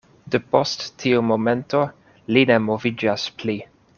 Depost tiu momento, li ne moviĝas pli.